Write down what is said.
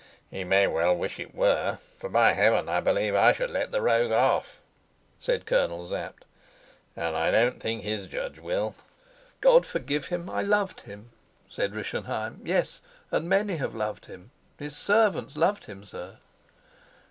"He may well wish it were. For, by Heaven, I believe I should let the rogue off," said Colonel Sapt, "and I don't think his Judge will." "God forgive him, I loved him," said Rischenheim. "Yes, and many have loved him. His servants loved him, sir."